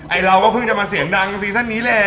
เราก็เพิ่งจะมาเสียงดังซีซั่นนี้แหละ